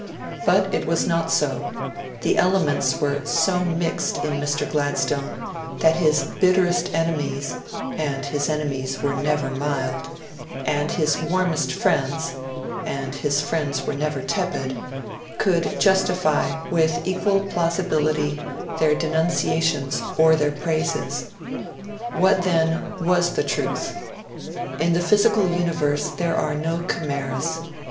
But it was not so; 'the elements' were 'so mixed' in Mr. Gladstone that his bitterest enemies (and his enemies were never mild) and his warmest friends (and his friends were never tepid) could justify, with equal plausibility, their denunciations or their praises. What, then, was the truth? In the physical universe there are no chimeras.